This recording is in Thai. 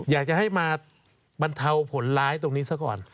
อยากจะให้มาบรรเทาผลร้ายตรงนี้ซะก่อน